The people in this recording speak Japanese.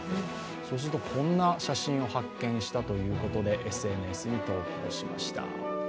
そうすると、こんな写真を発見したということで、ＳＮＳに投稿しました。